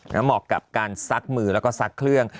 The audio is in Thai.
เหมาะกับการซักมือแล้วก็ซักเครื่อง